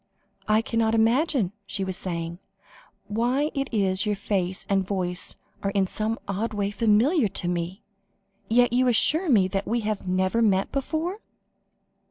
"I cannot imagine," she was saying, "why it is that your face and voice are in some odd way familiar to me, and yet you assure me we have never met before?"